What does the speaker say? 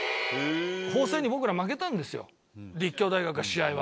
法政に僕ら負けたんですよ立教大学は試合は。